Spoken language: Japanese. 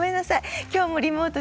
今日もリモートです。